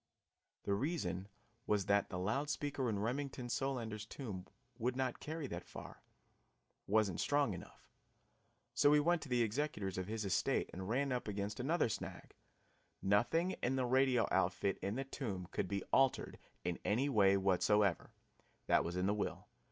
The reason was that the loud speaker in Remington Solander's tomb would not carry that far; it was not strong enough. So we went to the executors of his estate and ran up against another snag nothing in the radio outfit in the tomb could be altered in any way whatever. That was in the will.